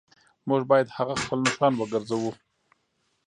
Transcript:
موږ باید هغه خپل نښان وګرځوو